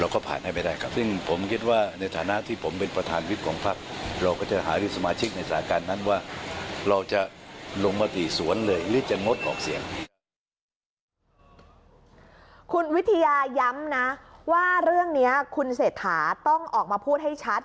คุณวิทยาย้ำนะว่าเรื่องนี้คุณเศรษฐาต้องออกมาพูดให้ชัด